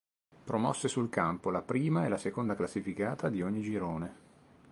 Promosse sul campo la prima e la seconda classificata di ogni girone.